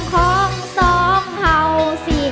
เธอเป็นผู้สาวขาเลียน